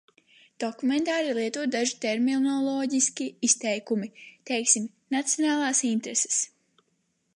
"Dokumentāri ir lietoti daži terminoloģiski izteikumi, teiksim "nacionālās intereses"."